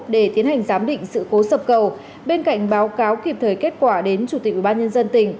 để tiến hành giám định sự cố sập cầu bên cạnh báo cáo kịp thời kết quả đến chủ tịch ubnd tỉnh